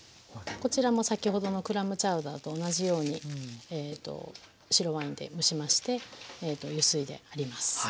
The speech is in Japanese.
こちらも先ほどのクラムチャウダーと同じように白ワインで蒸しましてゆすいであります。